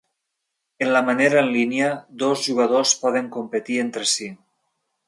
En la manera en línia, dos jugadors poden competir entre si.